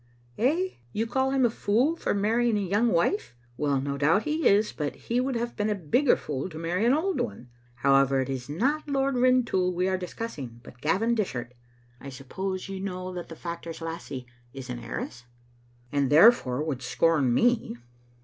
"Eh? You call him a fool for marrying a young wife? Well, no doubt he is, but he would have been a bigger fool to marry an old one. However, it is not Lord Rintoul we are discussing, but Gavin Dishart. I suppose you know that the factor's lassie is an heiress?" "And, therefore, would scorn me."